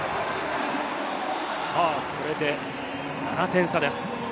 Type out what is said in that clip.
これで７点差です。